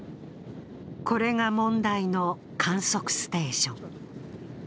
これが問題の観測ステーション。